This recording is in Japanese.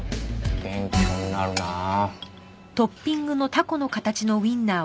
勉強になるなあ。